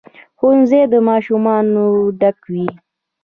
ښوونځي د ماشومانو ډک وي.